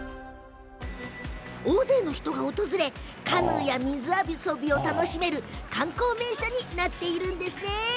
大勢の人が訪れカヌーや水遊びを楽しむ観光名所になっているんですね。